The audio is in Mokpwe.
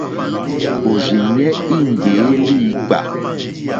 Òrzìɲɛ́ í ŋɡbèé líǐpkà.